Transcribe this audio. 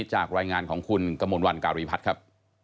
จากรายงานของคุณกมลวันการีพัฒน์ครับ